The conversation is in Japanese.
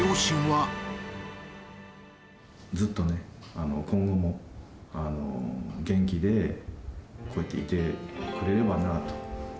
ずっとね、今後も元気で、そうやっていてくれればなと。